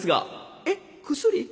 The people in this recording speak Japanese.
「えっ薬？